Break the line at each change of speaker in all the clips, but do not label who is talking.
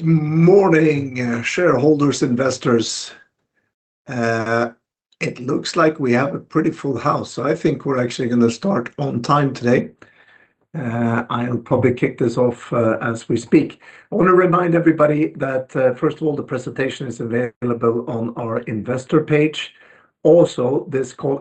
Good morning, shareholders, investors. It looks like we have a pretty full house, I think we're actually going to start on time today. I'll probably kick this off as we speak. I want to remind everybody that, first of all, the presentation is available on our investor page. Also, this call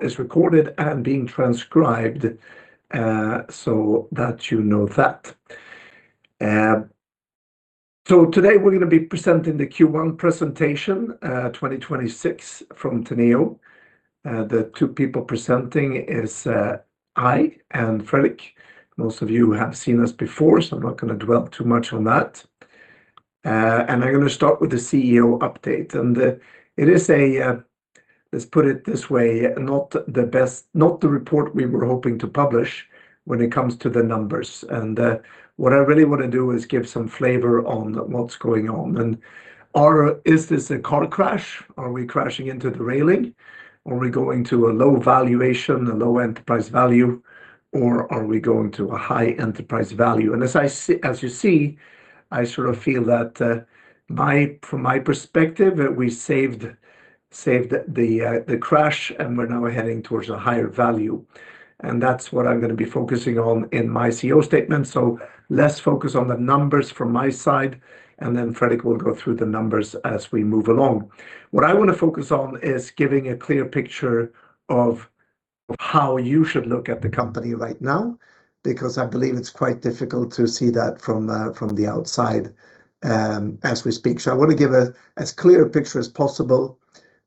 is recorded and being transcribed, that you know that. Today we're going to be presenting the Q1 presentation, 2026 from Teneo. The two people presenting is I and Fredrik. Most of you have seen us before, I'm not going to dwell too much on that. I'm going to start with the CEO update. It is a, let's put it this way, not the report we were hoping to publish when it comes to the numbers. What I really wanna do is give some flavor on what's going on. Is this a car crash? Are we crashing into the railing? Are we going to a low valuation, a low enterprise value, or are we going to a high enterprise value? As you see, I sort of feel that from my perspective, we saved the crash, and we're now heading towards a higher value. That's what I'm gonna be focusing on in my CEO statement. Let's focus on the numbers from my side, and then Fredrik will go through the numbers as we move along. What I wanna focus on is giving a clear picture of how you should look at the company right now, because I believe it's quite difficult to see that from the outside, as we speak. I wanna give as clear a picture as possible,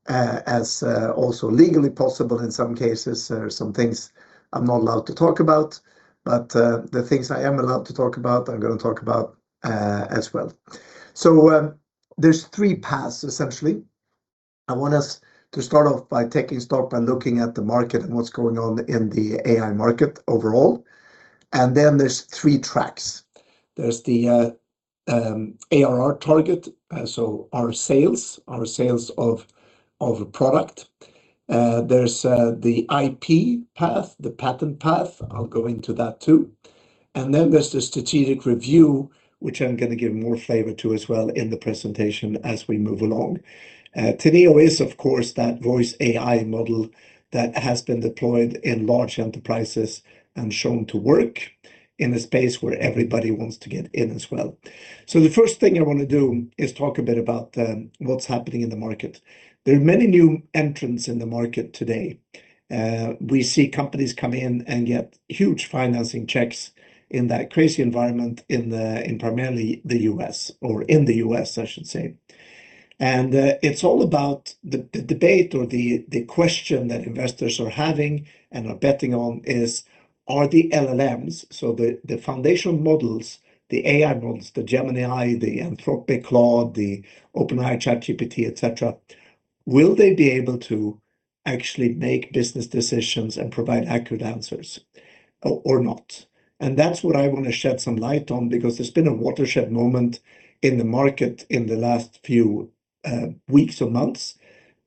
as also legally possible in some cases. There are some things I'm not allowed to talk about, but the things I am allowed to talk about, I'm gonna talk about as well. There's three paths essentially. I want us to start off by taking stock by looking at the market and what's going on in the AI market overall, and then there's three tracks. There's the ARR target, so our sales of a product. There's the IP path, the patent path. I'll go into that too. There's the strategic review, which I'm gonna give more flavor to as well in the presentation as we move along. Teneo is, of course, that voice AI model that has been deployed in large enterprises and shown to work in a space where everybody wants to get in as well. The first thing I wanna do is talk a bit about what's happening in the market. There are many new entrants in the market today. We see companies come in and get huge financing checks in that crazy environment in primarily the U.S., or in the U.S., I should say. It's all about the debate or the question that investors are having and are betting on is, are the LLMs, so the foundational models, the AI models, the Gemini, the Anthropic Claude, the OpenAI ChatGPT, et cetera, will they be able to actually make business decisions and provide accurate answers or not? That's what I wanna shed some light on because there's been a watershed moment in the market in the last few weeks or months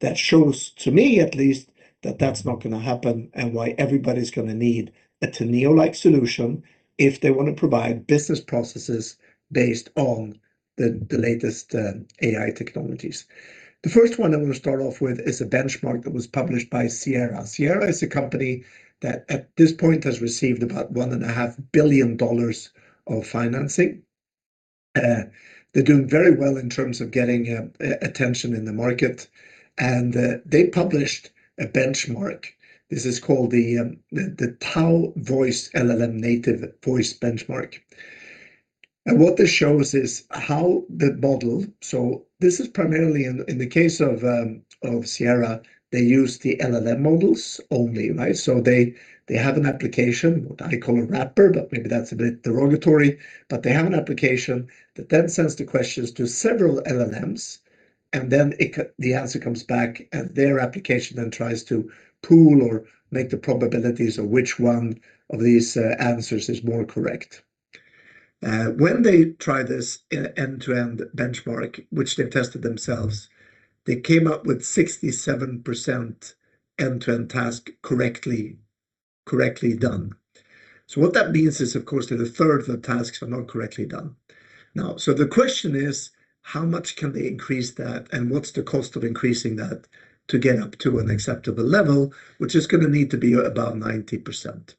that shows, to me at least, that that's not gonna happen and why everybody's gonna need a Teneo-like solution if they wanna provide business processes based on the latest AI technologies. The first one I wanna start off with is a benchmark that was published by Sierra. Sierra is a company that at this point has received about one and a half billion dollars of financing. They're doing very well in terms of getting attention in the market, and they published a benchmark. This is called the τ-Voice LLM Native Voice Benchmark. What this shows is how the model. This is primarily in the case of Sierra, they use the LLM models only, right? They, they have an application, what I call a wrapper, but maybe that's a bit derogatory. They have an application that then sends the questions to several LLMs, and then the answer comes back, and their application then tries to pool or make the probabilities of which one of these answers is more correct. When they try this end-to-end benchmark, which they've tested themselves, they came up with 67% end-to-end task correctly done. What that means is, of course, that a third of the tasks are not correctly done. Now, the question is, how much can they increase that, and what's the cost of increasing that to get up to an acceptable level, which is gonna need to be about 90%?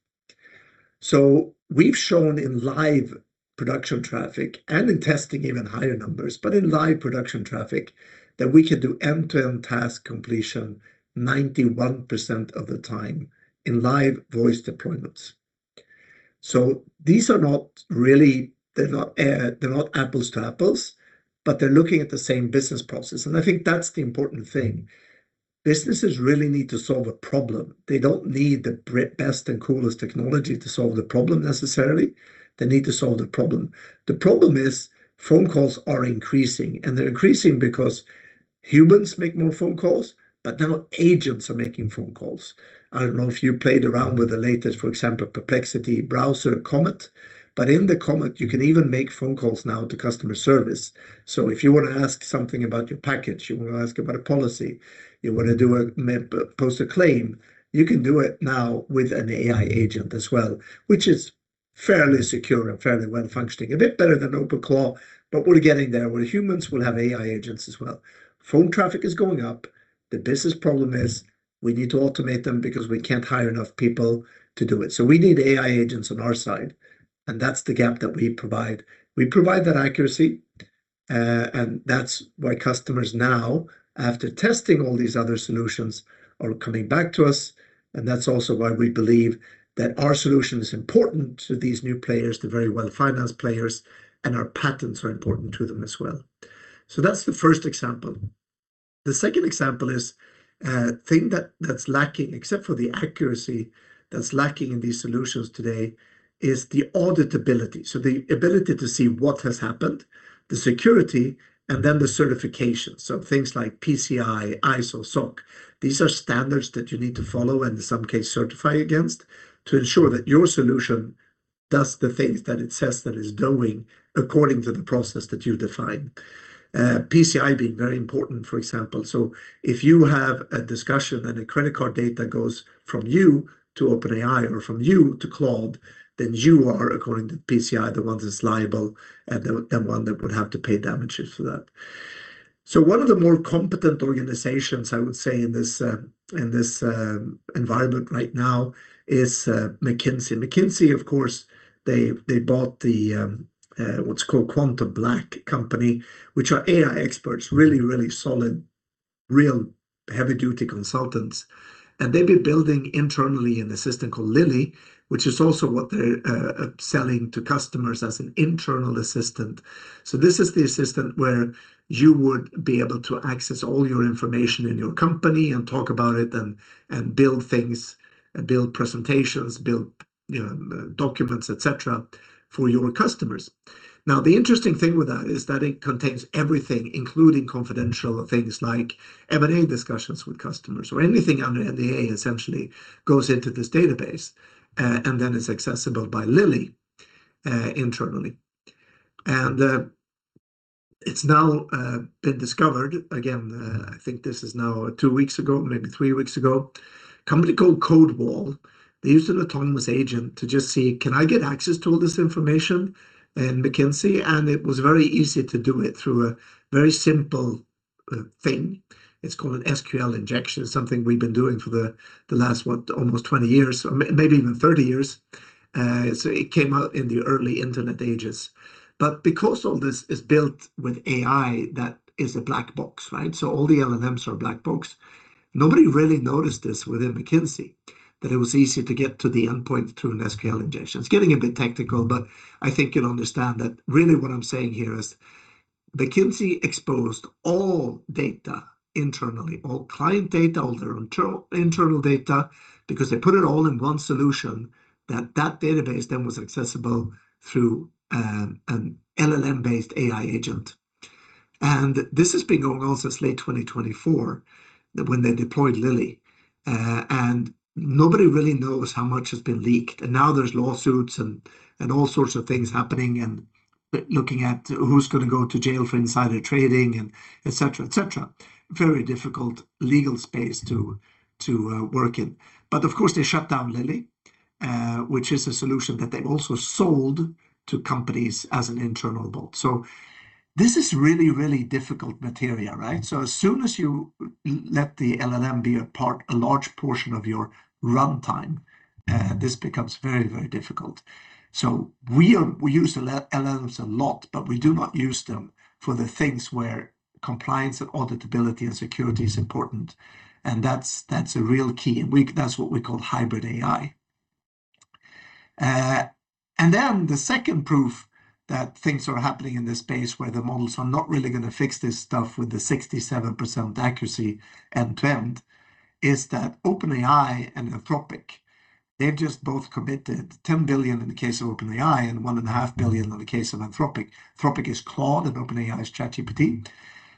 We've shown in live production traffic and in testing even higher numbers, but in live production traffic, that we can do end-to-end task completion 91% of the time in live voice deployments. These are not really, they're not apples to apples, but they're looking at the same business process, and I think that's the important thing. Businesses really need to solve a problem. They don't need the best and coolest technology to solve the problem necessarily. They need to solve the problem. The problem is phone calls are increasing, and they're increasing because humans make more phone calls, but now agents are making phone calls. I don't know if you played around with the latest, for example, Perplexity browser, Comet, but in the Comet, you can even make phone calls now to customer service. If you wanna ask something about your package, you wanna ask about a policy, you wanna do a post a claim, you can do it now with an AI agent as well, which is fairly secure and fairly well-functioning. A bit better than OpenClaw, we're getting there, where humans will have AI agents as well. Phone traffic is going up. The business problem is we need to automate them because we can't hire enough people to do it. We need AI agents on our side, and that's the gap that we provide. We provide that accuracy, and that's why customers now, after testing all these other solutions, are coming back to us. That's also why we believe that our solution is important to these new players, the very well-financed players, and our patents are important to them as well. That's the first example. The second example is a thing that's lacking, except for the accuracy that's lacking in these solutions today, is the auditability. The ability to see what has happened, the security, and then the certification. Things like PCI, ISO, SOC, these are standards that you need to follow and in some case certify against to ensure that your solution does the things that it says that it's doing according to the process that you define. PCI being very important, for example. If you have a discussion and a credit card data goes from you to OpenAI or from you to Claude, then you are, according to PCI, the one that's liable and the one that would have to pay damages for that. One of the more competent organizations, I would say, in this in this environment right now is McKinsey. McKinsey, of course, they bought the what's called QuantumBlack company, which are AI experts, really solid, real heavy-duty consultants. They've been building internally an assistant called Lilli, which is also what they're selling to customers as an internal assistant. This is the assistant where you would be able to access all your information in your company and talk about it and build things and build presentations, build, you know, documents, etc., for your customers. The interesting thing with that is that it contains everything, including confidential things like M&A discussions with customers or anything under NDA essentially goes into this database, and then it's accessible by Lilli internally. It's now been discovered, again, I think this is now two weeks ago, maybe three weeks ago, company called CodeWall, they used an autonomous agent to just see, can I get access to all this information in McKinsey? It was very easy to do it through a very simple thing. It's called an SQL injection, something we've been doing for the last, what? Almost 20 years, or maybe even 30 years. It came out in the early Internet ages. Because all this is built with AI, that is a black box, right? All the LLMs are black box. Nobody really noticed this within McKinsey, that it was easy to get to the endpoint through an SQL injection. It's getting a bit technical, but I think you'll understand that really what I'm saying here is McKinsey exposed all data internally, all client data, all their internal data, because they put it all in one solution, that database then was accessible through an LLM-based AI agent. This has been going on since late 2024, when they deployed Lilli. Nobody really knows how much has been leaked. Now there's lawsuits and all sorts of things happening and looking at who's gonna go to jail for insider trading and etc., etc. Very difficult legal space to work in. Of course, they shut down Lilli, which is a solution that they've also sold to companies as an internal bot. This is really difficult material, right? As soon as you let the LLM be a large portion of your runtime, this becomes very difficult. We use LLMs a lot, but we do not use them for the things where compliance and auditability and security is important. That's a real key, and that's what we call hybrid AI. Then the second proof that things are happening in this space where the models are not really gonna fix this stuff with the 67% accuracy and trend, is that OpenAI and Anthropic, they've just both committed 10 billion in the case of OpenAI and one and a half billion in the case of Anthropic. Anthropic is Claude and OpenAI is ChatGPT.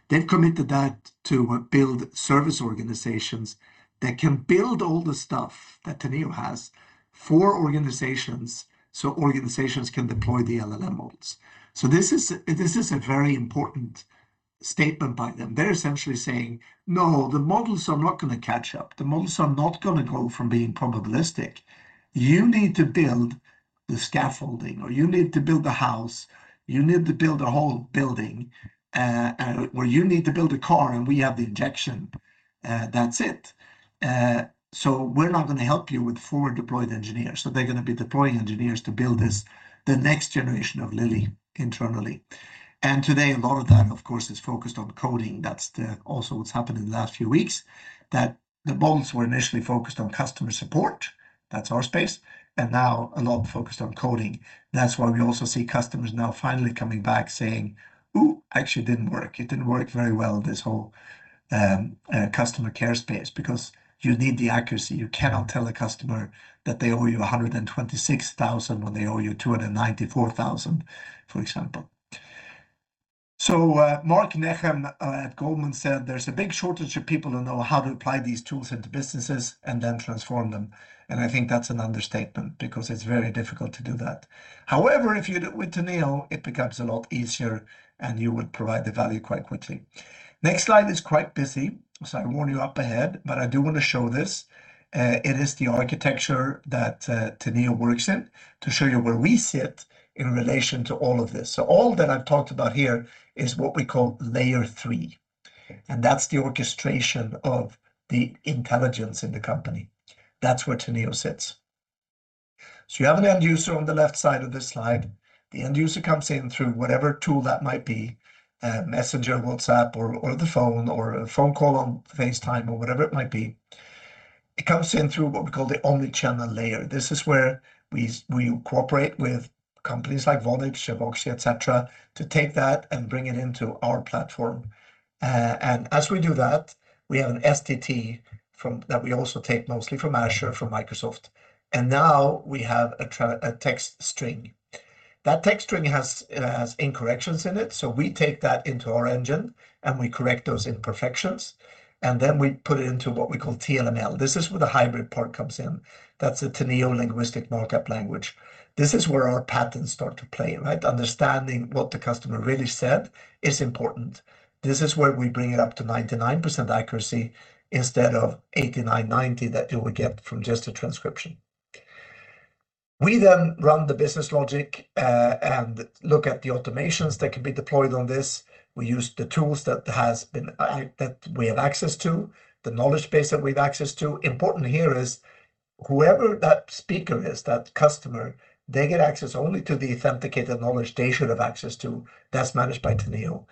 They've committed that to build service organizations that can build all the stuff that Teneo has for organizations, so organizations can deploy the LLM models. This is, this is a very important statement by them. They're essentially saying, "No, the models are not gonna catch up. The models are not gonna go from being probabilistic. You need to build the scaffolding or you need to build the house. You need to build a whole building, or you need to build a car, and we have the injection. That's it. We're not gonna help you with forward-deployed engineers. They're gonna be deploying engineers to build this, the next generation of Lilli internally. Today, a lot of that, of course, is focused on coding. That's also what's happened in the last few weeks, that the bots were initially focused on customer support, that's our space, and now a lot focused on coding. That's why we also see customers now finally coming back saying, "Ooh, actually didn't work." It didn't work very well, this whole customer care space. Because you need the accuracy. You cannot tell a customer that they owe you $126,000 when they owe you $294,000, for example. Marc Nachmann at Goldman said, "There's a big shortage of people who know how to apply these tools into businesses and then transform them." I think that's an understatement because it's very difficult to do that. However, if you do it with Teneo, it becomes a lot easier and you would provide the value quite quickly. Next slide is quite busy, so I warn you up ahead, but I do wanna show this. It is the architecture that Teneo works in to show you where we sit in relation to all of this. All that I've talked about here is what we call layer 3, and that's the orchestration of the intelligence in the company. That's where Teneo sits. You have an end user on the left side of this slide. The end user comes in through whatever tool that might be, Messenger, WhatsApp or the phone or a phone call on FaceTime or whatever it might be. It comes in through what we call the omni-channel layer. This is where we cooperate with companies like Vonage, AVOXI, et cetera, to take that and bring it into our platform. As we do that, we have an STT that we also take mostly from Azure, from Microsoft, and now we have a text string. That text string has incorrections in it, so we take that into our engine, and we correct those imperfections, and then we put it into what we call TLML. This is where the hybrid AI part comes in. That's the Teneo Linguistic Modeling Language. This is where our patents start to play, right? Understanding what the customer really said is important. This is where we bring it up to 99% accuracy instead of 89%, 90% that you would get from just a transcription. We then run the business logic and look at the automations that can be deployed on this. We use the tools that we have access to, the knowledge base that we have access to. Important here is whoever that speaker is, that customer, they get access only to the authenticated knowledge they should have access to. That's managed by Teneo.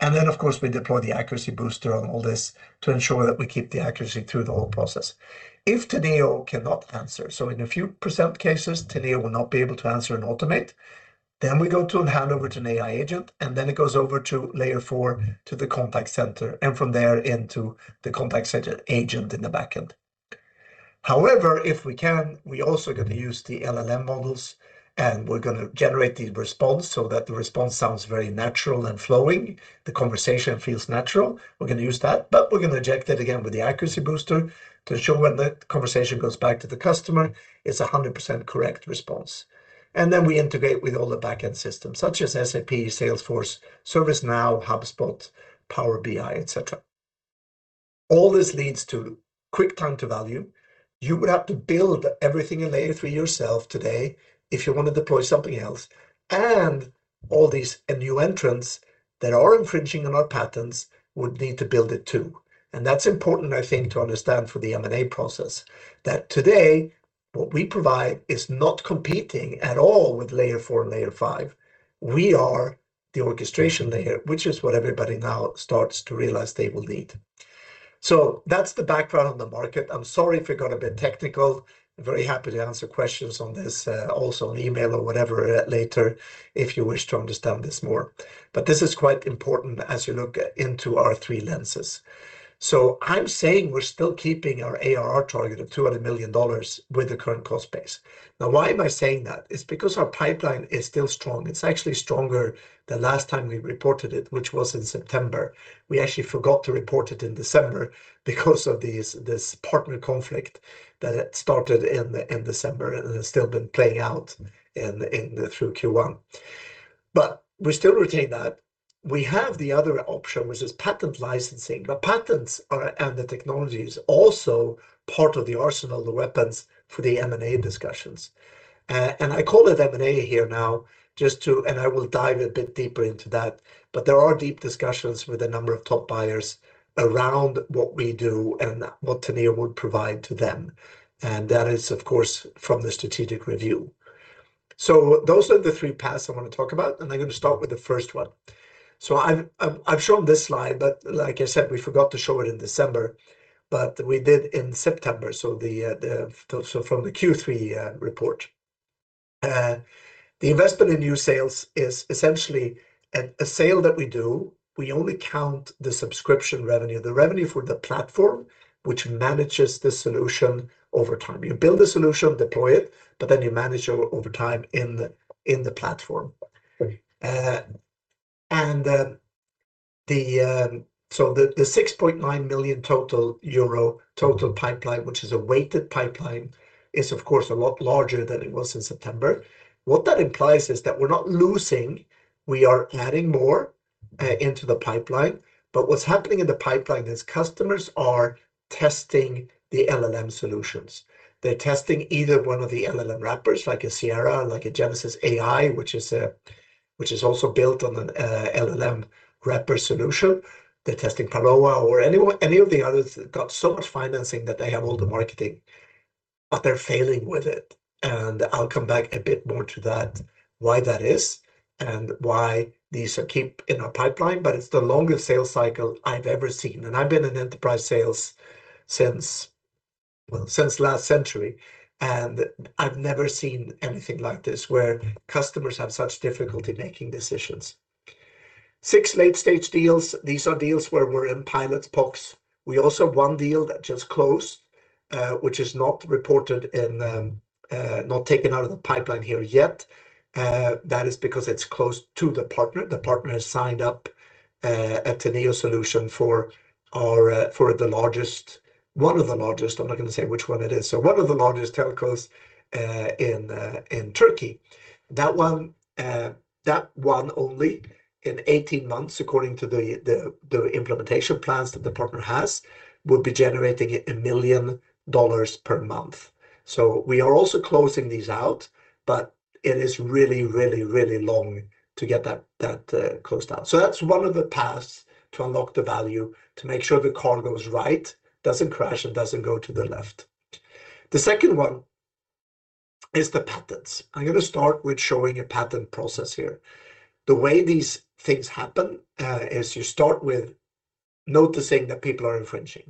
Then, of course, we deploy the Accuracy Booster on all this to ensure that we keep the accuracy through the whole process. If Teneo cannot answer, so in a few % cases, Teneo will not be able to answer and automate, then we go to hand over to an AI agent, and then it goes over to layer 4 to the contact center, and from there into the contact center agent in the back end. However, if we can, we also gonna use the LLM models, and we're gonna generate the response so that the response sounds very natural and flowing. The conversation feels natural. We're gonna use that, but we're gonna inject it again with the Accuracy Booster to ensure when the conversation goes back to the customer, it's a 100% correct response. Then we integrate with all the back-end systems, such as SAP, Salesforce, ServiceNow, HubSpot, Power BI, et cetera. All this leads to quick time to value. You would have to build everything in layer 3 yourself today if you wanna deploy something else. All these new entrants that are infringing on our patents would need to build it too. That's important, I think, to understand for the M&A process, that today, what we provide is not competing at all with layer 4 and layer 5. We are the orchestration layer, which is what everybody now starts to realize they will need. That's the background on the market. I'm sorry if it got a bit technical. Very happy to answer questions on this, also on email or whatever, later if you wish to understand this more. This is quite important as you look into our 3 lenses. I'm saying we're still keeping our ARR target of $200 million with the current cost base. Why am I saying that? It's because our pipeline is still strong. It's actually stronger than last time we reported it, which was in September. We actually forgot to report it in December because of this partner conflict that had started in December and has still been playing out in through Q1. We still retain that. We have the other option, which is patent licensing. Patents are, and the technology is also part of the arsenal, the weapons for the M&A discussions. I call it M&A here now. I will dive a bit deeper into that. There are deep discussions with a number of top buyers around what we do and what Teneo would provide to them, and that is, of course, from the strategic review. Those are the three paths I wanna talk about, and I'm gonna start with the first one. I've shown this slide, but like I said, we forgot to show it in December, but we did in September. From the Q3 report. The investment in new sales is essentially a sale that we do. We only count the subscription revenue, the revenue for the platform, which manages the solution over time. You build a solution, deploy it, but then you manage over time in the platform. The 6.9 million total euro total pipeline, which is a weighted pipeline, is of course a lot larger than it was in September. What that implies is that we're not losing, we are adding more into the pipeline. What's happening in the pipeline is customers are testing the LLM solutions. They're testing either one of the LLM wrappers, like a Sierra, like a Genesys AI, which is also built on an LLM wrapper solution. They're testing Parloa or anyone, any of the others that got so much financing that they have all the marketing, but they're failing with it. I'll come back a bit more to that, why that is and why these are keep in our pipeline, but it's the longest sales cycle I've ever seen. I've been in enterprise sales since, well, since last century, and I've never seen anything like this, where customers have such difficulty making decisions. Six late-stage deals. These are deals where we're in pilot POCs. We also have one deal that just closed, which is not reported in, not taken out of the pipeline here yet. That is because it's close to the partner. The partner has signed up a Teneo solution for our, for the largest, one of the largest, I'm not gonna say which one it is, so one of the largest telcos in Turkey. That one, that one only in 18 months, according to the implementation plans that the partner has, will be generating $1 million per month. We are also closing these out, but it is really, really, really long to get that closed out. That's one of the paths to unlock the value to make sure the car goes right, doesn't crash, and doesn't go to the left. The second one is the patents. I'm gonna start with showing a patent process here. The way these things happen is you start with noticing that people are infringing.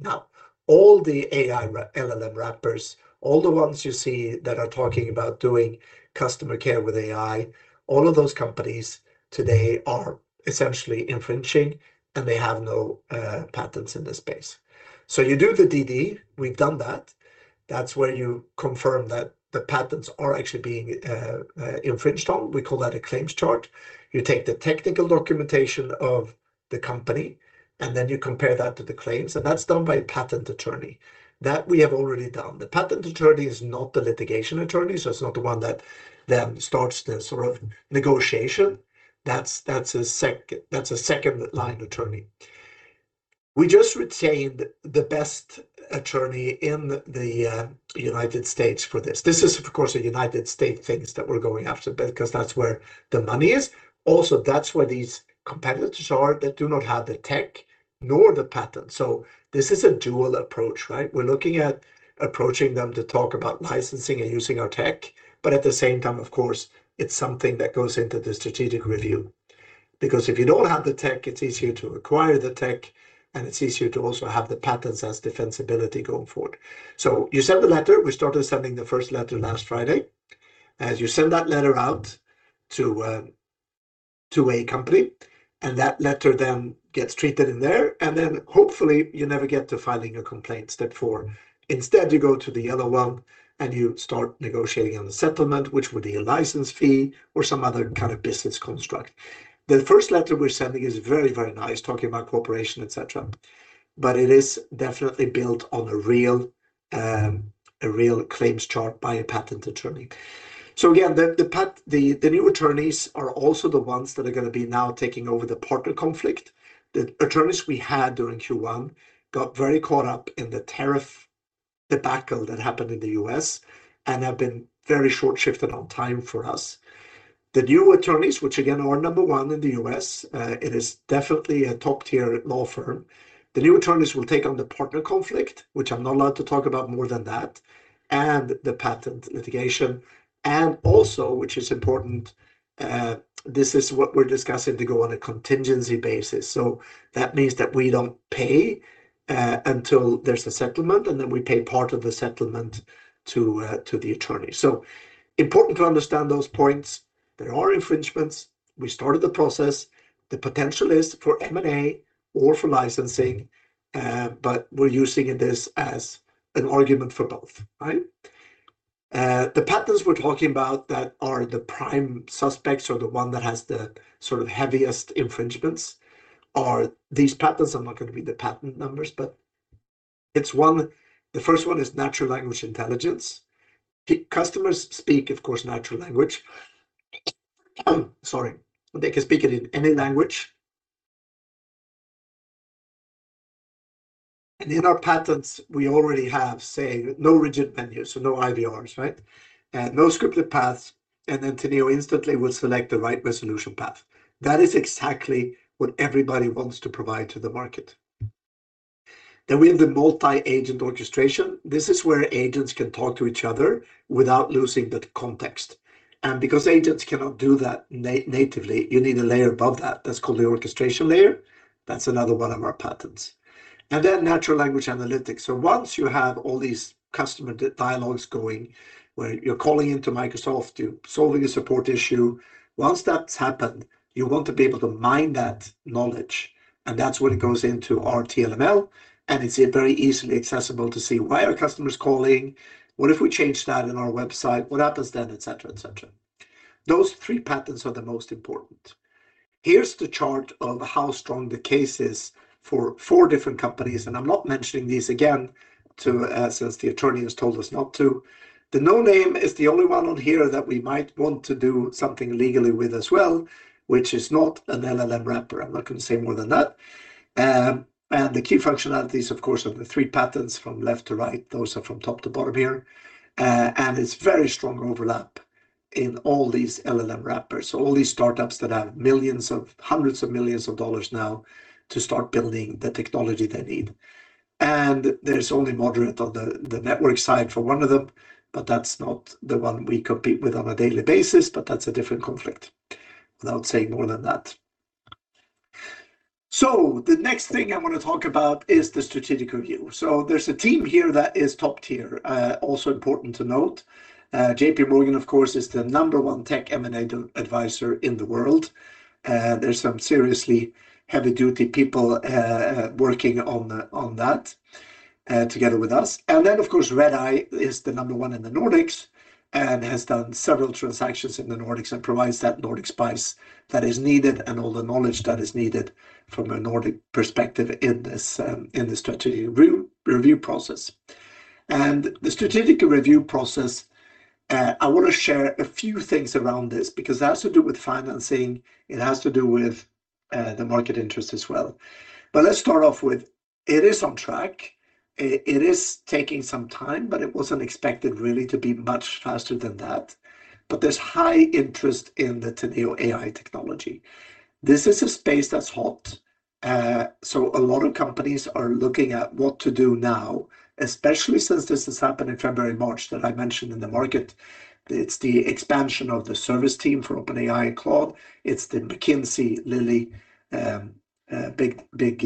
All the LLM wrappers, all the ones you see that are talking about doing customer care with AI, all of those companies today are essentially infringing, and they have no patents in this space. You do the DD. We've done that. That's where you confirm that the patents are actually being infringed on. We call that a claims chart. You take the technical documentation of the company, and then you compare that to the claims, and that's done by a patent attorney. That we have already done. The patent attorney is not the litigation attorney, so it's not the one that then starts the sort of negotiation. That's a second line attorney. We just retained the best attorney in the United States for this. This is, of course, the United States things that we're going after because that's where the money is. That's where these competitors are that do not have the tech nor the patent. This is a dual approach, right? We're looking at approaching them to talk about licensing and using our tech. At the same time, of course, it's something that goes into the strategic review. If you don't have the tech, it's easier to acquire the tech, and it's easier to also have the patents as defensibility going forward. You send the letter. We started sending the first letter last Friday. As you send that letter out to a company, that letter then gets treated in there, hopefully you never get to filing a complaint, step 4. Instead, you go to the other one, you start negotiating on the settlement, which would be a license fee or some other kind of business construct. The first letter we're sending is very, very nice, talking about cooperation, et cetera. It is definitely built on a real, a real claims chart by a patent attorney. Again, the new attorneys are also the ones that are gonna be now taking over the partner conflict. The attorneys we had during Q1 got very caught up in the tariff debacle that happened in the U.S. and have been very short-shifted on time for us. The new attorneys, which again are number one in the U.S., it is definitely a top-tier law firm. The new attorneys will take on the partner conflict, which I'm not allowed to talk about more than that, and the patent litigation. Also, which is important, this is what we're discussing to go on a contingency basis. That means that we don't pay until there's a settlement, and then we pay part of the settlement to the attorney. Important to understand those points. There are infringements. We started the process. The potential is for M&A or for licensing. We're using this as an argument for both, right? The patents we're talking about that are the prime suspects or the one that has the sort of heaviest infringements are these patents. I'm not gonna read the patent numbers. The first one is natural language intelligence. Customers speak, of course, natural language. Sorry. They can speak it in any language. In our patents, we already have, say, no rigid menus, so no IVRs, right? No scripted paths, Teneo instantly will select the right resolution path. That is exactly what everybody wants to provide to the market. We have the multi-agent orchestration. This is where agents can talk to each other without losing the context. Because agents cannot do that natively, you need a layer above that. That's called the orchestration layer. That's another one of our patents. Natural language analytics. Once you have all these customer dialogues going, where you're calling into Microsoft to solving a support issue, once that's happened, you want to be able to mine that knowledge, and that's when it goes into our TLML, and it's very easily accessible to see why are customers calling, what if we change that on our website, what happens then, et cetera, et cetera. Those three patents are the most important. Here's the chart of how strong the case is for four different companies, and I'm not mentioning these again to, since the attorney has told us not to. The no-name is the only one on here that we might want to do something legally with as well, which is not an LLM wrapper. I'm not gonna say more than that. The key functionalities, of course, are the three patents from left to right. Those are from top to bottom here. It is very strong overlap in all these LLM wrappers, all these startups that have hundreds of millions of dollars now to start building the technology they need. There is only moderate on the network side for one of them, but that is not the one we compete with on a daily basis, but that is a different conflict, without saying more than that. The next thing I want to talk about is the strategic review. Also important to note, J.P. Morgan, of course, is the number one tech M&A advisor in the world. There is some seriously heavy-duty people working on that together with us. Of course, Redeye is the number 1 in the Nordics and has done several transactions in the Nordics and provides that Nordic spice that is needed and all the knowledge that is needed from a Nordic perspective in this, in this strategic re-review process. The strategic review process, I wanna share a few things around this because it has to do with financing, it has to do with the market interest as well. Let's start off with it is on track. It is taking some time, but it wasn't expected really to be much faster than that. There's high interest in the Teneo AI technology. This is a space that's hot. A lot of companies are looking at what to do now, especially since this has happened in February, March that I mentioned in the market. It's the expansion of the service team for OpenAI and Claude. It's the McKinsey, Lilli, big, big,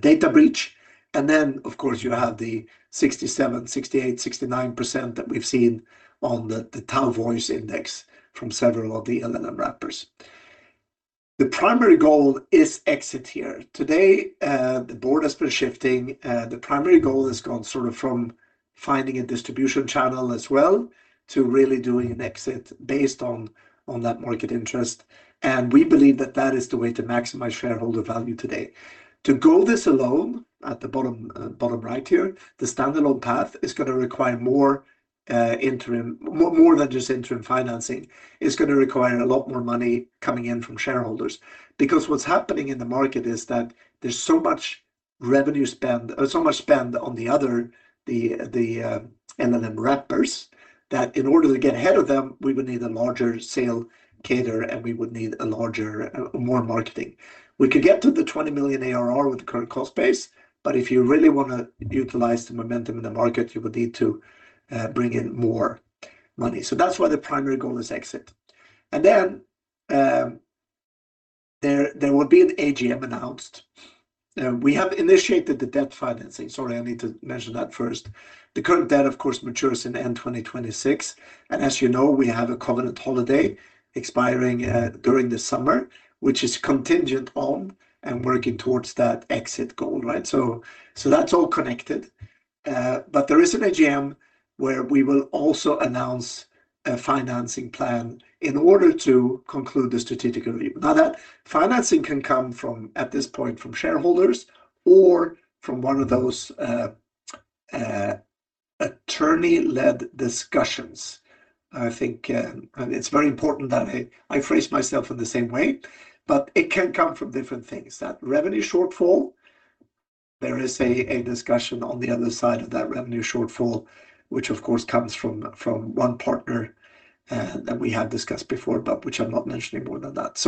data breach. Then, of course, you have the 67%, 68%, 69% that we've seen on the τ-Voice index from several of the LLM wrappers. The primary goal is exit here. Today, the board has been shifting. The primary goal has gone sort of from finding a distribution channel as well to really doing an exit based on that market interest. We believe that that is the way to maximize shareholder value today. To go this alone, at the bottom right here, the standalone path is gonna require more, more than just interim financing. It's gonna require a lot more money coming in from shareholders. What's happening in the market is that there's so much revenue spend, so much spend on the other, the LLM wrappers, that in order to get ahead of them, we would need a larger sale cadre, and we would need a larger, more marketing. We could get to the $20 million ARR with the current cost base, but if you really wanna utilize the momentum in the market, you would need to bring in more money. That's why the primary goal is exit. Then, there will be an AGM announced. We have initiated the debt financing. Sorry, I need to mention that first. The current debt, of course, matures in end 2026. As you know, we have a covenant holiday expiring during the summer, which is contingent on and working towards that exit goal, right? That's all connected. There is an AGM where we will also announce a financing plan in order to conclude the strategic review. That financing can come from, at this point, from shareholders or from one of those attorney-led discussions. I think, and it's very important that I phrase myself in the same way, but it can come from different things. That revenue shortfall, there is a discussion on the other side of that revenue shortfall, which of course comes from one partner that we have discussed before, but which I'm not mentioning more than that.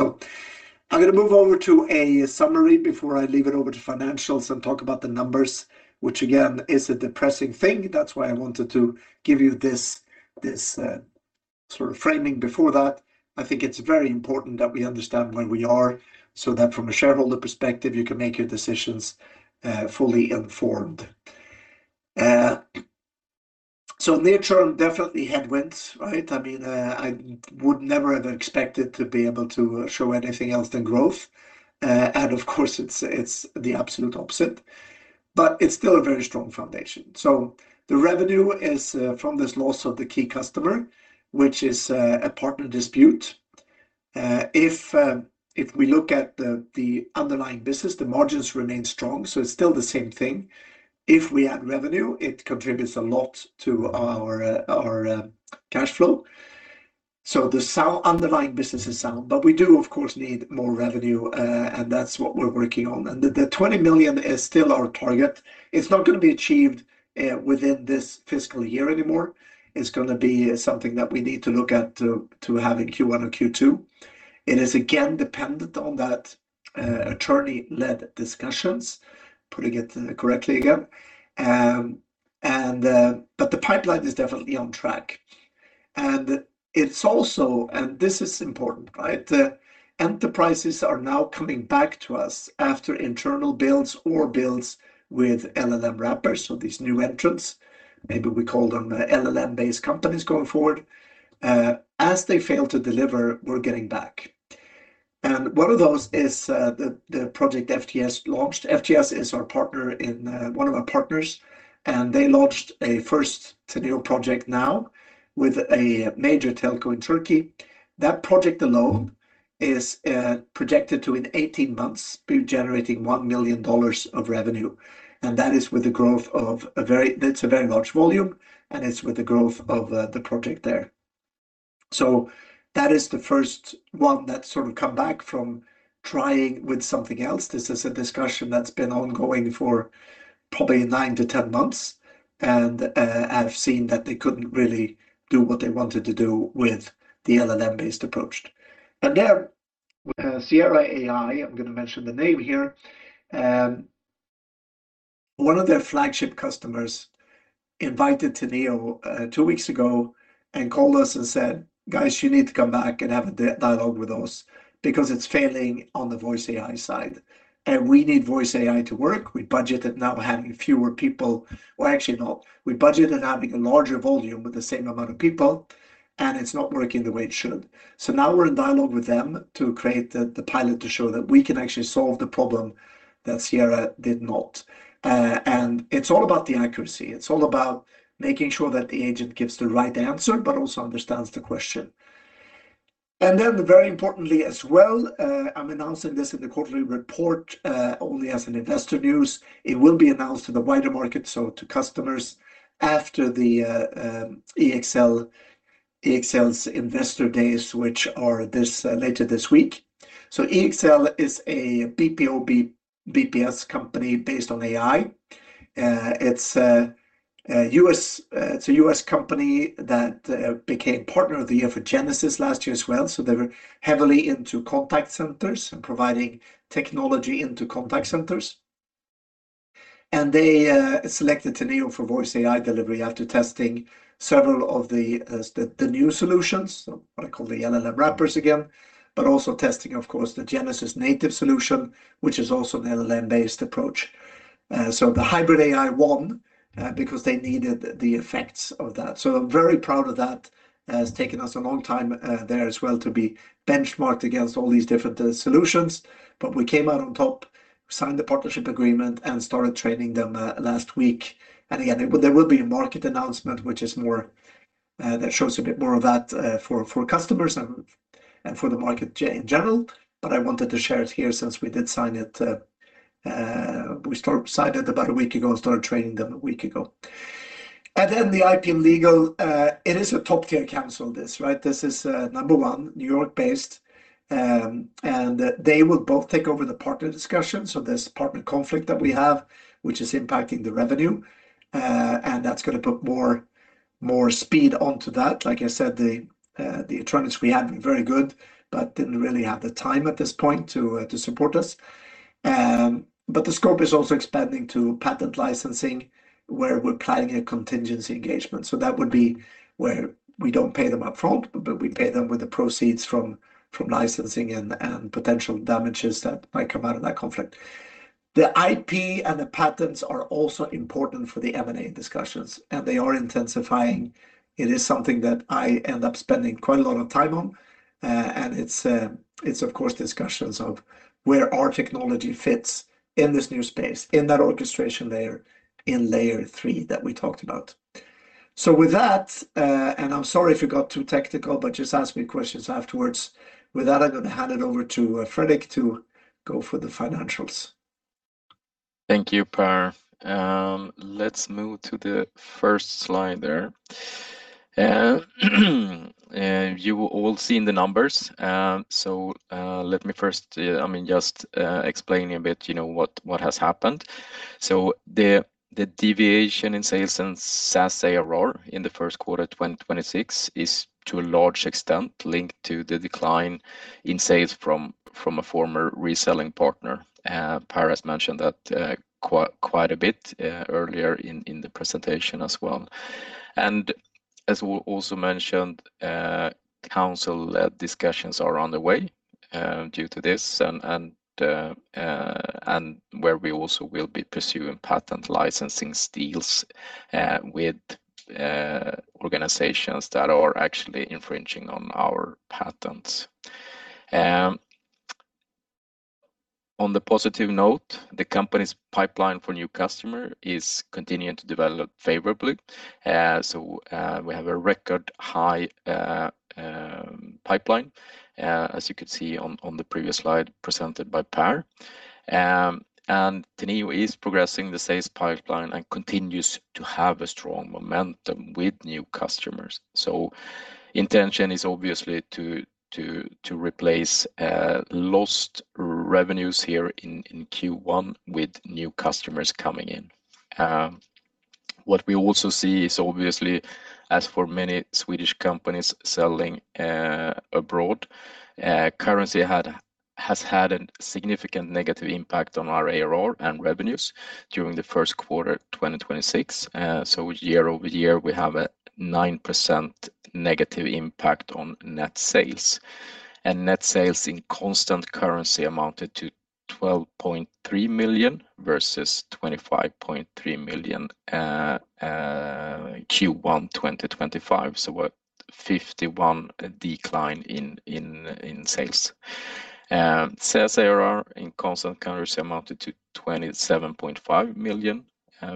I'm going to move over to a summary before I leave it over to financials and talk about the numbers, which again, is a depressing thing. That's why I wanted to give you this sort of framing before that. I think it's very important that we understand where we are so that from a shareholder perspective, you can make your decisions fully informed. Near term, definitely headwinds, right. I mean, I would never have expected to be able to show anything else than growth. And of course, it's the absolute opposite, but it's still a very strong foundation. The revenue is from this loss of the key customer, which is a partner dispute. If we look at the underlying business, the margins remain strong, so it's still the same thing. If we add revenue, it contributes a lot to our cash flow. The underlying business is sound. We do, of course, need more revenue, and that's what we're working on. The 20 million is still our target. It's not going to be achieved within this fiscal year anymore. It's going to be something that we need to look at to have in Q1 or Q2. It is again dependent on that attorney-led discussions, putting it correctly again. The pipeline is definitely on track. It's also, this is important, right? Enterprises are now coming back to us after internal builds or builds with LLM wrappers, so these new entrants. Maybe we call them LLM-based companies going forward. As they fail to deliver, we're getting back. One of those is the project FTS launched. FTS is our partner in one of our partners, and they launched a first Teneo project now with a major telco in Turkey. That project alone is projected to, in 18 months, be generating $1 million of revenue. That is with the growth of a very large volume, and it's with the growth of the project there. That is the first one that sort of come back from trying with something else. This is a discussion that's been ongoing for probably 9 to 10 months, and have seen that they couldn't really do what they wanted to do with the LLM-based approach. There, Sierra AI, I'm gonna mention the name here, one of their flagship customers invited Teneo, 2 weeks ago and called us and said, "Guys, you need to come back and have a dialogue with us because it's failing on the voice AI side. We need voice AI to work. We budgeted now having fewer people. Well, actually not. We budgeted having a larger volume with the same amount of people, and it's not working the way it should. Now we're in dialogue with them to create the pilot to show that we can actually solve the problem that Sierra did not. It's all about the accuracy. It's all about making sure that the agent gives the right answer but also understands the question. Very importantly as well, I'm announcing this in the quarterly report, only as an investor news. It will be announced to the wider market, so to customers after EXL's investor days, which are later this week. EXL is a BPO, BPS company based on AI. It's a U.S., it's a U.S. company that became partner of the year for Genesys last year as well, so they were heavily into contact centers and providing technology into contact centers. They selected Teneo for voice AI delivery after testing several of the new solutions, what I call the LLM wrappers again, but also testing, of course, the Genesys native solution, which is also an LLM-based approach. The hybrid AI won because they needed the effects of that. I'm very proud of that. It has taken us a long time there as well to be benchmarked against all these different solutions. We came out on top, signed the partnership agreement, and started training them last week. Again, there will be a market announcement which is more, that shows a bit more of that, for customers and for the market in general. I wanted to share it here since we did sign it, signed it about a week ago and started training them a week ago. The IP and legal, it is a top-tier counsel, this, right? This is number 1, New York-based. They will both take over the partner discussion, so this partner conflict that we have, which is impacting the revenue. That's gonna put more speed onto that. Like I said, the attorneys we had were very good but didn't really have the time at this point to support us. The scope is also expanding to patent licensing, where we're planning a contingency engagement. That would be where we don't pay them upfront, but we pay them with the proceeds from licensing and potential damages that might come out of that conflict. The IP and the patents are also important for the M&A discussions. They are intensifying. It is something that I end up spending quite a lot of time on. It's of course discussions of where our technology fits in this new space, in that orchestration layer, in layer 3 that we talked about. With that, I'm sorry if it got too technical, but just ask me questions afterwards. With that, I'm gonna hand it over to Fredrik to go for the financials.
Thank you, Per. Let's move to the first slide there. You will all seen the numbers. Let me first, I mean, just explain a bit, you know, what has happened. The deviation in sales and SaaS ARR in the first quarter 2026 is, to a large extent, linked to the decline in sales from a former reselling partner. Per has mentioned that quite a bit earlier in the presentation as well. As we also mentioned, counsel discussions are underway due to this and where we also will be pursuing patent licensing deals with organizations that are actually infringing on our patents. On the positive note, the company's pipeline for new customer is continuing to develop favorably. We have a record high pipeline, as you could see on the previous slide presented by Per. Teneo is progressing the sales pipeline and continues to have a strong momentum with new customers. Intention is obviously to replace lost revenues here in Q1 with new customers coming in. What we also see is obviously, as for many Swedish companies selling abroad, currency has had a significant negative impact on our ARR and revenues during the first quarter 2026. Year-over-year, we have a 9% negative impact on net sales. Net sales in constant currency amounted to 12.3 million versus 25.3 million Q1 2025, so a 51 decline in sales. SaaS ARR in constant currency amounted to 27.5 million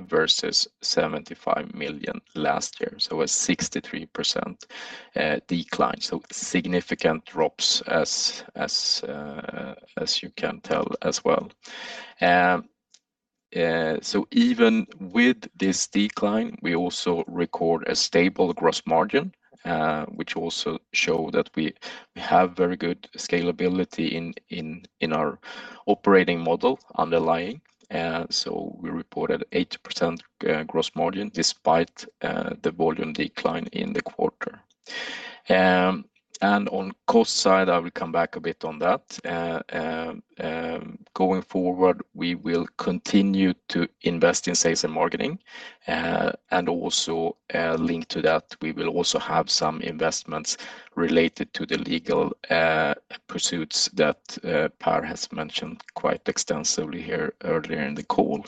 versus 75 million last year, a 63% decline. Significant drops as you can tell as well. Even with this decline, we also record a stable gross margin, which also show that we have very good scalability in our operating model underlying. We reported 80% gross margin despite the volume decline in the quarter. On cost side, I will come back a bit on that. Going forward, we will continue to invest in sales and marketing, and also, linked to that, we will also have some investments related to the legal pursuits that Per has mentioned quite extensively here earlier in the call.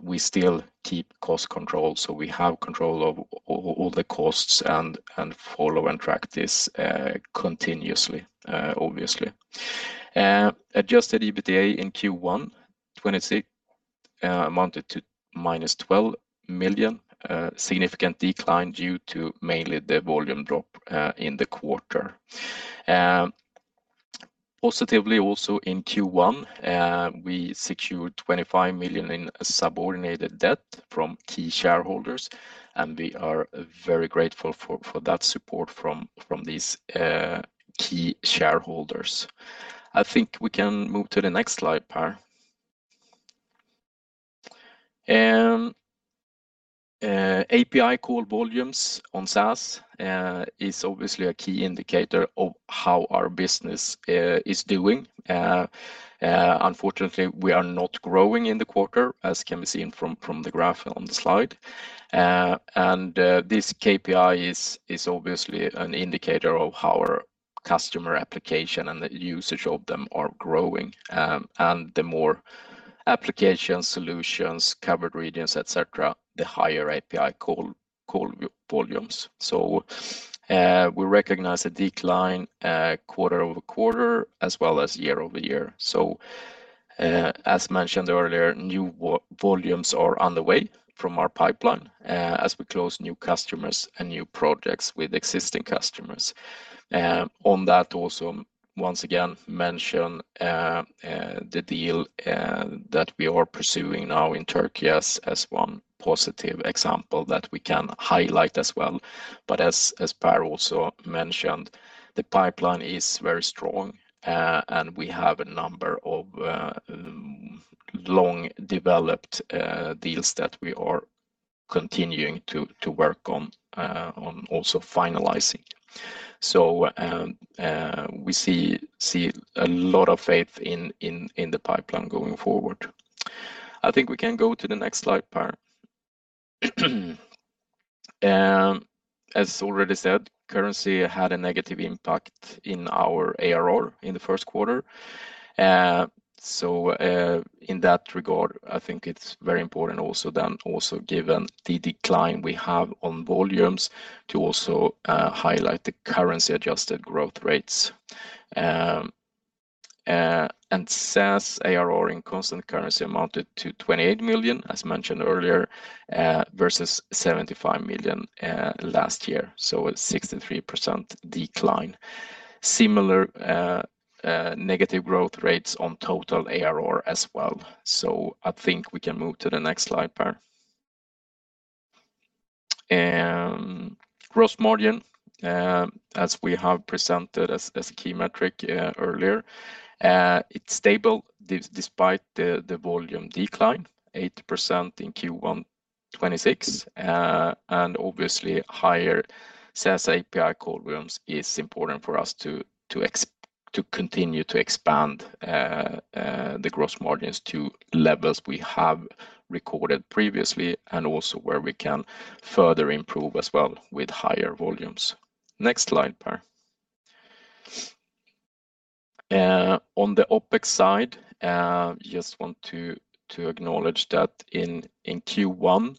We still keep cost control, so we have control of all the costs and follow and track this continuously, obviously. Adjusted EBITDA in Q1 2026 amounted to minus 12 million, significant decline due to mainly the volume drop in the quarter. Positively also in Q1, we secured 25 million in subordinated debt from key shareholders, and we are very grateful for that support from these key shareholders. I think we can move to the next slide, Per. API call volumes on SaaS is obviously a key indicator of how our business is doing. Unfortunately, we are not growing in the quarter, as can be seen from the graph on the slide. This KPI is obviously an indicator of how our customer application and the usage of them are growing. The more applications, solutions, covered regions, et cetera, the higher API call volumes. We recognize a decline quarter-over-quarter as well as year-over-year. As mentioned earlier, new volumes are on the way from our pipeline as we close new customers and new projects with existing customers. On that also, once again, mention the deal that we are pursuing now in Turkey as one positive example that we can highlight as well. As Per also mentioned, the pipeline is very strong, and we have a number of long-developed deals that we are continuing to work on also finalizing. We see a lot of faith in the pipeline going forward. I think we can go to the next slide, Per. As already said, currency had a negative impact in our ARR in the first quarter. In that regard, I think it's very important also given the decline we have on volumes to highlight the currency-adjusted growth rates. SaaS ARR in constant currency amounted to 28 million, as mentioned earlier, versus 75 million last year, a 63% decline. Similar negative growth rates on total ARR as well. I think we can move to the next slide, Per. Gross margin, as we have presented as a key metric earlier, it's stable despite the volume decline, 8% in Q1 2026. Obviously higher SaaS API call volumes is important for us to continue to expand the gross margins to levels we have recorded previously and also where we can further improve as well with higher volumes. Next slide, Per. On the OpEx side, just want to acknowledge that in Q1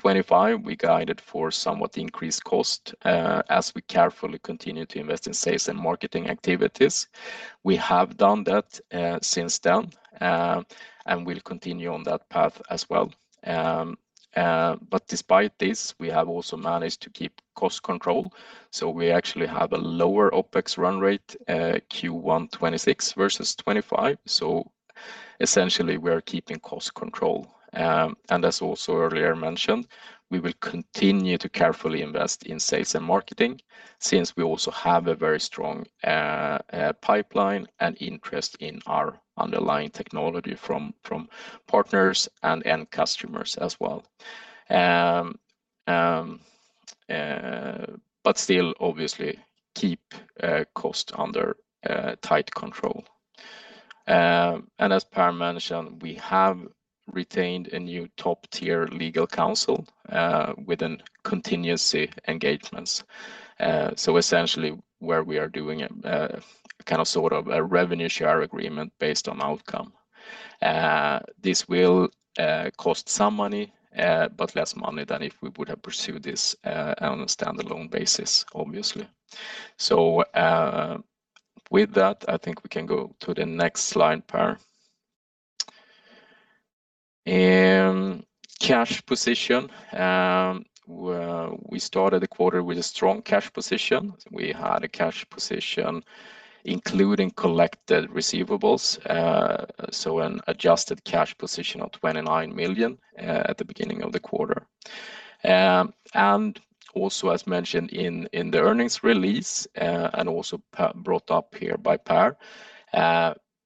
2025, we guided for somewhat increased cost as we carefully continue to invest in sales and marketing activities. We have done that since then, and we'll continue on that path as well. Despite this, we have also managed to keep cost control, so we actually have a lower OpEx run rate Q1 2026 versus 2025. Essentially, we are keeping cost control. As also earlier mentioned, we will continue to carefully invest in sales and marketing since we also have a very strong pipeline and interest in our underlying technology from partners and end customers as well. Still obviously keep cost under tight control. As Per mentioned, we have retained a new top-tier legal counsel within contingency engagements. Essentially where we are doing a kind of sort of a revenue share agreement based on outcome. This will cost some money, but less money than if we would have pursued this on a standalone basis, obviously. With that, I think we can go to the next slide, Per. Cash position. We started the quarter with a strong cash position. We had a cash position including collected receivables, so an adjusted cash position of 29 million at the beginning of the quarter. Also as mentioned in the earnings release, and also brought up here by Per,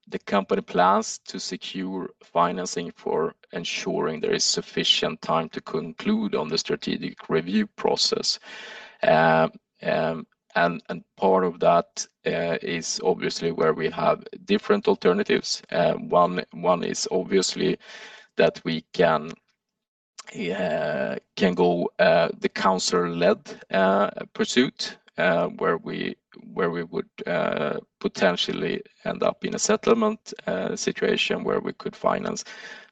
the company plans to secure financing for ensuring there is sufficient time to conclude on the strategic review process. Part of that is obviously where we have different alternatives. One is obviously that we can go the counsel-led pursuit where we would potentially end up in a settlement situation where we could finance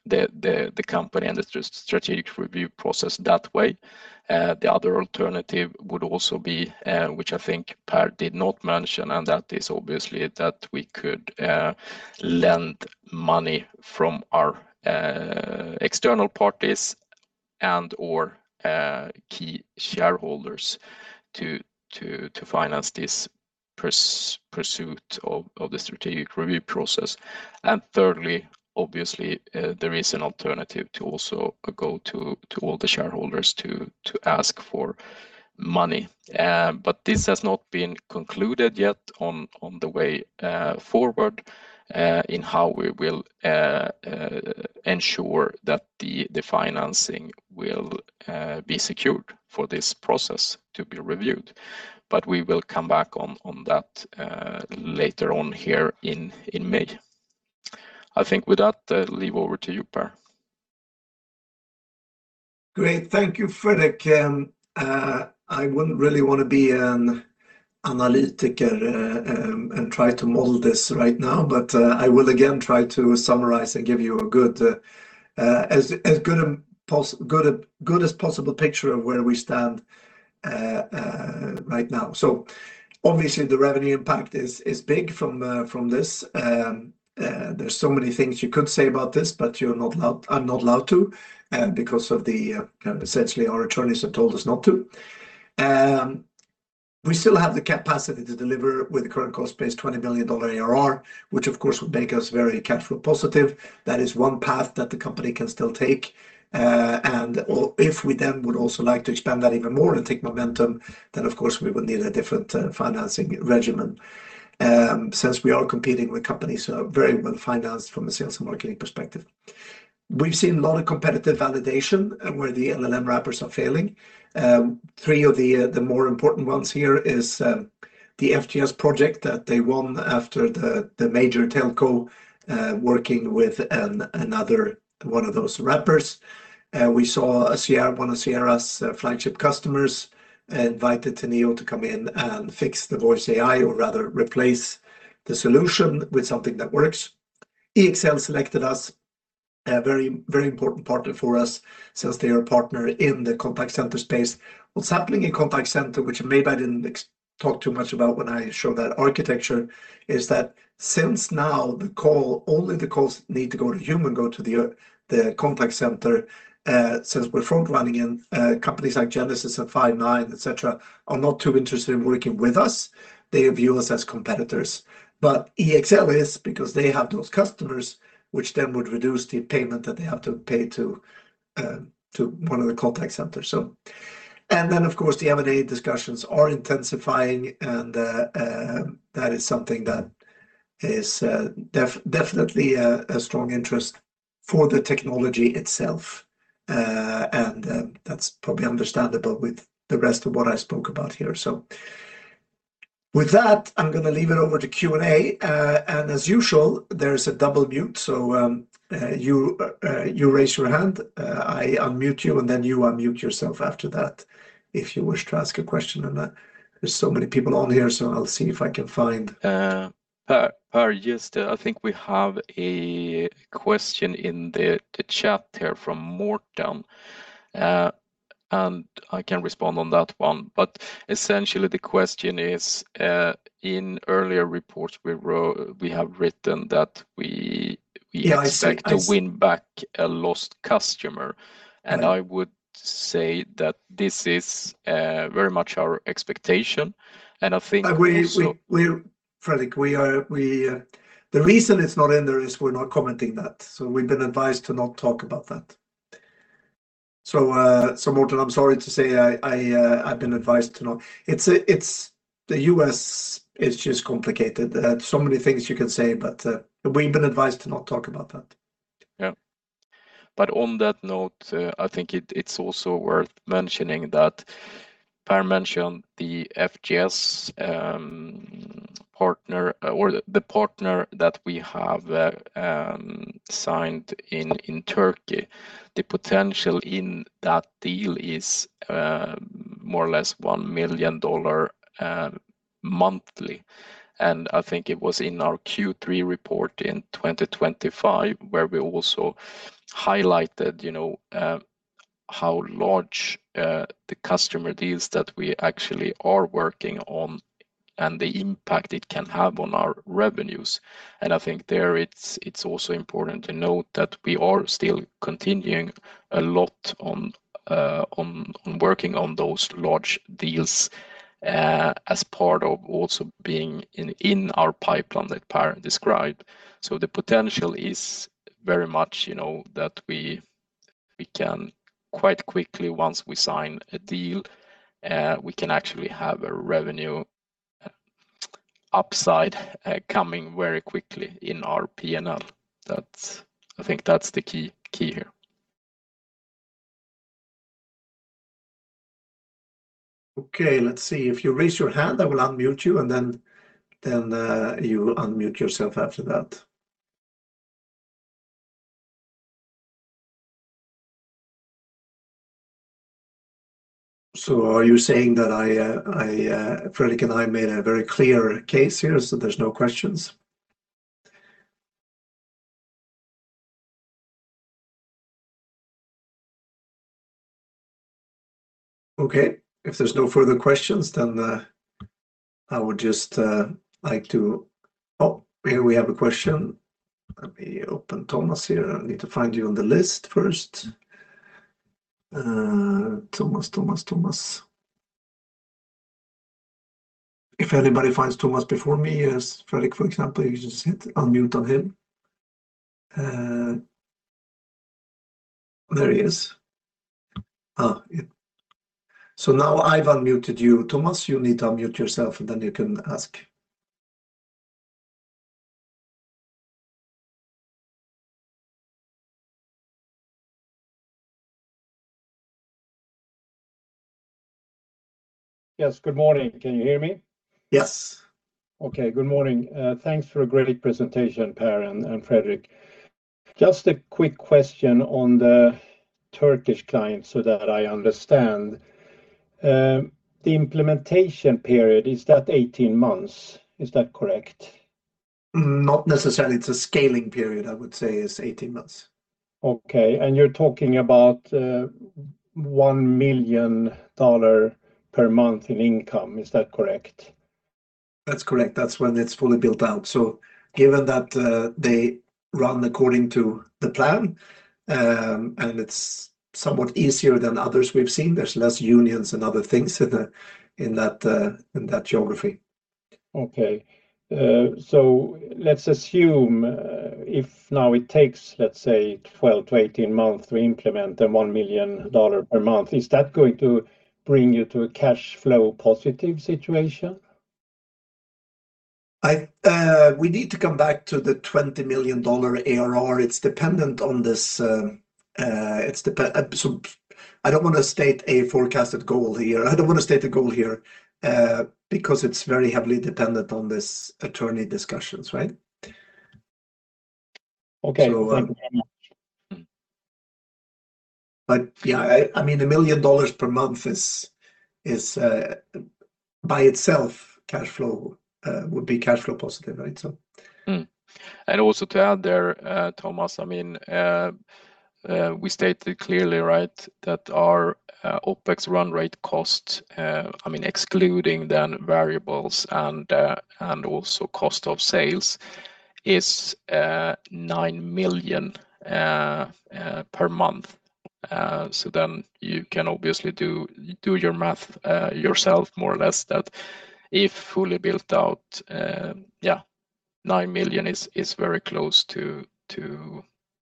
the company and the strategic review process that way. The other alternative would also be, which I think Per did not mention, and that is obviously that we could lend money from our external parties, or key shareholders to finance this pursuit of the strategic review process. Thirdly, obviously, there is an alternative to also go to all the shareholders to ask for money. This has not been concluded yet on the way forward, in how we will ensure that the financing will be secured for this process to be reviewed. We will come back on that later on here in May. I think with that, I'll leave over to you, Per.
Great. Thank you, Fredrik. I wouldn't really wanna be an analyst and try to model this right now, but I will again try to summarize and give you a good, as good as possible picture of where we stand right now. Obviously the revenue impact is big from this. There's so many things you could say about this, but I'm not allowed to, because of the essentially our attorneys have told us not to. We still have the capacity to deliver with the current cost base $20 million ARR, which of course would make us very cash flow positive. That is one path that the company can still take. If we would also like to expand that even more and take momentum, of course we would need a different financing regimen, since we are competing with companies who are very well-financed from a sales and marketing perspective. We've seen a lot of competitive validation where the LLM wrappers are failing. Three of the more important ones here is the FGS project that they won after the major telco, working with another one of those wrappers. We saw one of Sierra's flagship customers invited Teneo to come in and fix the voice AI, or rather replace the solution with something that works. EXL selected us, a very important partner for us since they are a partner in the contact center space. What's happening in contact center, which maybe I didn't talk too much about when I showed that architecture, is that since now only the calls need to go to human go to the contact center, since we're front-running in companies like Genesys and Five9, et cetera, are not too interested in working with us. They view us as competitors. EXL is because they have those customers which then would reduce the payment that they have to pay to one of the contact centers. And then of course, the M&A discussions are intensifying and that is something that is definitely a strong interest for the technology itself. And that's probably understandable with the rest of what I spoke about here. With that, I'm gonna leave it over to Q&A. As usual, there is a double mute, so you raise your hand, I unmute you, and then you unmute yourself after that if you wish to ask a question. There's so many people on here, so I'll see if I can find
Per, yes, I think we have a question in the chat here from Morten, and I can respond on that one. Essentially the question is, in earlier reports we have written that we.
Yeah, I see.
Expect to win back a lost customer. I would say that this is very much our expectation.
We, Fredrik, the reason it's not in there is we're not commenting that, so we've been advised to not talk about that. Morten, I'm sorry to say I've been advised to not. It's the U.S. is just complicated. There are so many things you can say, but we've been advised to not talk about that.
Yeah. On that note, I think it's also worth mentioning that Per mentioned the FGS partner or the partner that we have signed in Turkey. The potential in that deal is more or less $1 million monthly. I think it was in our Q3 report in 2025 where we also highlighted, you know, how large the customer deals that we actually are working on and the impact it can have on our revenues. I think there it's also important to note that we are still continuing a lot on working on those large deals as part of also being in our pipeline that Per described. The potential is very much, you know, that we can quite quickly, once we sign a deal, we can actually have a revenue upside, coming very quickly in our P&L. I think that's the key here.
Okay, let's see. If you raise your hand, I will unmute you and then you unmute yourself after that. Are you saying that Fredrik and I made a very clear case here, so there's no questions? Okay. If there's no further questions, then I would just like to. Oh, here we have a question. Let me open Thomas here. I need to find you on the list first. Thomas, Thomas. If anybody finds Thomas before me, yes, Fredrik, for example, you just hit unmute on him. There he is. Yeah. Now I've unmuted you, Thomas. You need to unmute yourself, and then you can ask.
Yes. Good morning. Can you hear me?
Yes.
Okay. Good morning. Thanks for a great presentation, Per and Fredrik. Just a quick question on the Turkish client so that I understand. The implementation period, is that 18 months? Is that correct?
Not necessarily. It's a scaling period, I would say, is 18 months.
Okay. You're talking about $1 million per month in income. Is that correct?
That's correct. That's when it's fully built out. Given that, they run according to the plan, and it's somewhat easier than others we've seen, there's less unions and other things in that geography.
Okay. Let's assume, if now it takes, let's say, 12 to 18 months to implement the $1 million per month, is that going to bring you to a cash flow positive situation?
I, we need to come back to the $20 million ARR. It's dependent on this. I don't wanna state a forecasted goal here. I don't wanna state a goal here, because it's very heavily dependent on this attorney discussions, right?
Okay. Thank you very much.
Yeah, I mean, $1 million per month is by itself cash flow, would be cash flow positive. Right?
Also to add there, Thomas, I mean, we stated clearly, right, that our OPEX run rate cost, I mean, excluding then variables and also cost of sales is 9 million per month. You can obviously do your math yourself more or less that if fully built out, yeah, 9 million is very close to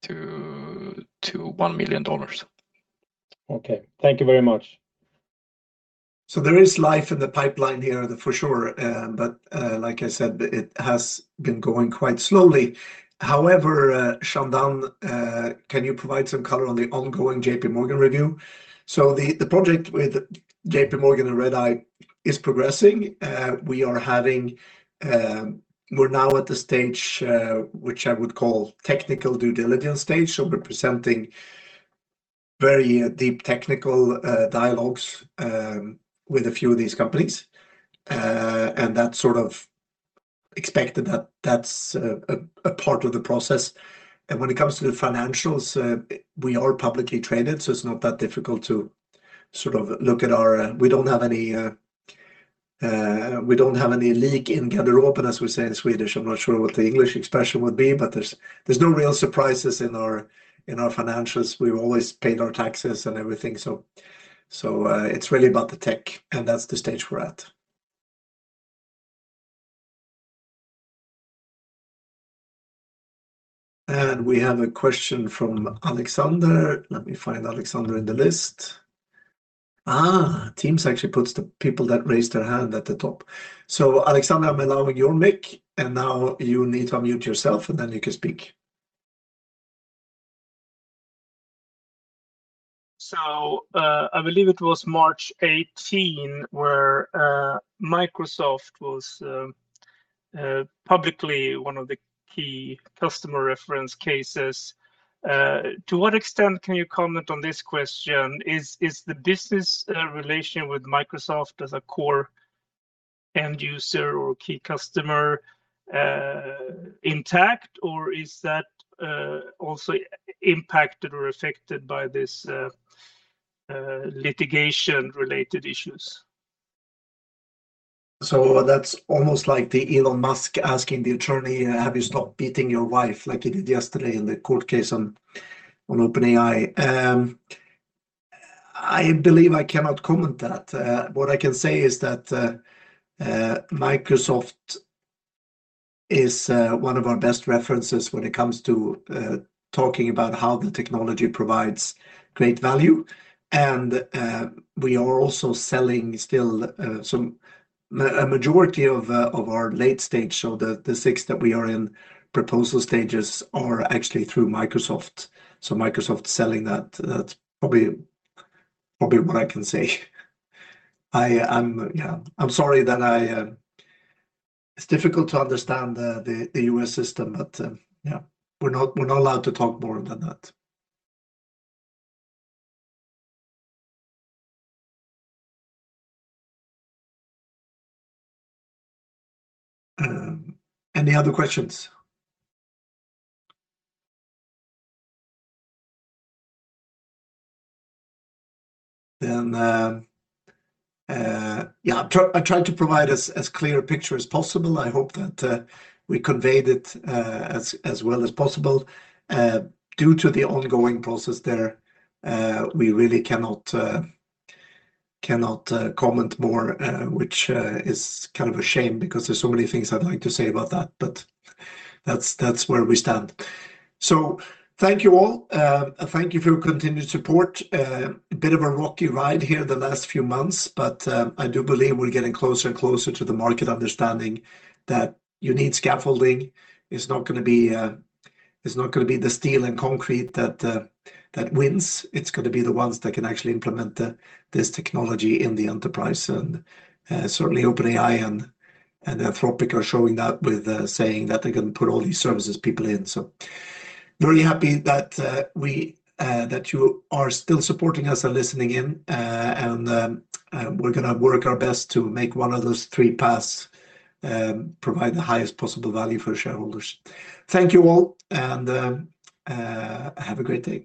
$1 million.
Okay. Thank you very much.
There is life in the pipeline here for sure. But, like I said, it has been going quite slowly. However, Chandan, can you provide some color on the ongoing JPMorgan review? The project with JPMorgan and Redeye is progressing. We are having, we're now at the stage, which I would call technical due diligence stage. We're presenting very deep technical dialogues with a few of these companies. And that's sort of expected that that's a part of the process. And when it comes to the financials, we are publicly traded, so it's not that difficult to sort of look at our. We don't have any, we don't have any lik i garderoben, as we say in Swedish. I'm not sure what the English expression would be, there's no real surprises in our financials. We've always paid our taxes and everything. It's really about the tech, and that's the stage we're at. We have a question from Alexander. Let me find Alexander in the list. Teams actually puts the people that raise their hand at the top. Alexander, I'm allowing your mic, and now you need to unmute yourself, and then you can speak.
I believe it was March 18 where Microsoft was publicly one of the key customer reference cases. To what extent can you comment on this question? Is the business relation with Microsoft as a core end user or key customer intact, or is that also impacted or affected by this litigation-related issues?
That's almost like the Elon Musk asking the attorney, "Have you stopped beating your wife?" like he did yesterday in the court case on OpenAI. I believe I cannot comment that. What I can say is that Microsoft is one of our best references when it comes to talking about how the technology provides great value. We are also selling still a majority of our late stage. The 6 that we are in proposal stages are actually through Microsoft. Microsoft selling that's probably what I can say. I am, yeah. I'm sorry that I It's difficult to understand the U.S. system, yeah, we're not allowed to talk more than that. Any other questions? I tried to provide as clear a picture as possible. I hope that we conveyed it as well as possible. Due to the ongoing process there, we really cannot comment more, which is kind of a shame because there's so many things I'd like to say about that, but that's where we stand. Thank you all. Thank you for your continued support. A bit of a rocky ride here the last few months, but I do believe we're getting closer and closer to the market understanding that you need scaffolding. It's not gonna be, it's not gonna be the steel and concrete that wins. It's gonna be the ones that can actually implement this technology in the enterprise. Certainly, OpenAI and Anthropic are showing that with saying that they're gonna put all these services people in. Very happy that we that you are still supporting us and listening in. And we're gonna work our best to make one of those three paths provide the highest possible value for shareholders. Thank you all, and have a great day.